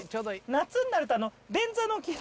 夏になると便座の機能。